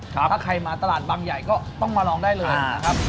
ถ้าใครมาตลาดบางใหญ่ก็ต้องมาลองได้เลยนะครับ